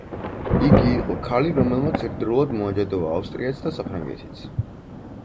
იგი იყო ქალი, რომელმაც ერთდროულად მოაჯადოვა ავსტრიაც და საფრანგეთიც.